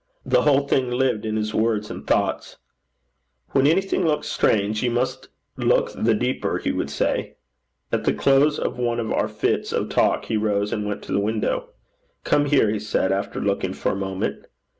The whole thing lived in his words and thoughts. 'When anything looks strange, you must look the deeper,' he would say. At the close of one of our fits of talk, he rose and went to the window. 'Come here,' he said, after looking for a moment.